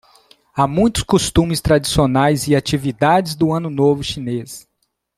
Há muitos costumes tradicionais e atividades do Ano Novo Chinês